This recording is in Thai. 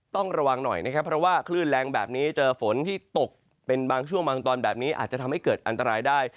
ต้องระวังหน่อยนะครับเพราะว่าคลื่นแรงแบบนี้เจอฝนที่ตกเป็นบางช่วงบางตอนแบบนี้อาจจะทำให้เกิดอันตรายได้